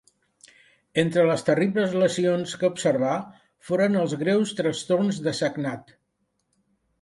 Entre les terribles lesions que observà foren els greus trastorns de sagnat.